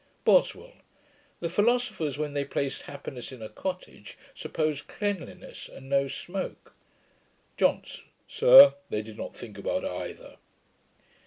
BOSWELL. 'The philosophers, when they placed happiness in a cottage, supposed cleanliness and no smoke.' JOHNSON. 'Sir, they did not think about either.'